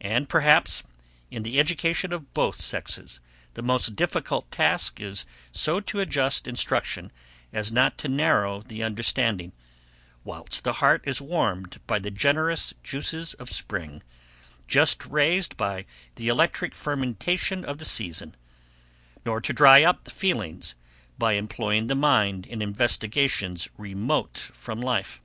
And, perhaps, in the education of both sexes, the most difficult task is so to adjust instruction as not to narrow the understanding, whilst the heart is warmed by the generous juices of spring, just raised by the electric fermentation of the season; nor to dry up the feelings by employing the mind in investigations remote from life.